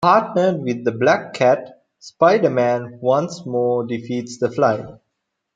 Partnered with the Black Cat, Spider-Man once more defeats the Fly.